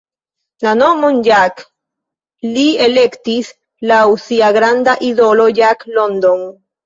La nomon "Jack" li elektis laŭ sia granda idolo Jack London.